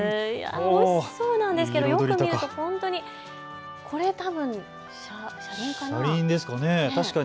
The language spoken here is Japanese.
おいしそうなんですけれどよく見ると本当にこれ多分、車輪かな？